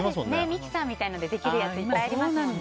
ミキサーみたいなのでできるやつ、いっぱいありますね。